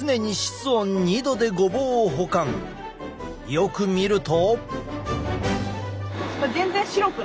よく見ると。